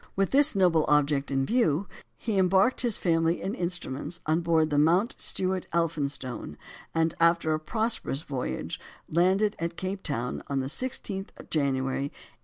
With this noble object in view, he embarked his family and instruments on board the Mount Stewart Elphinstone, and, after a prosperous voyage, landed at Cape Town on the 16th of January, 1834.